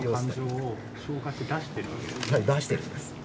はい出してるんです。